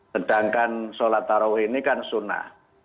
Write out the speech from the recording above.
sedangkan sholat tarawih ini kan sunnah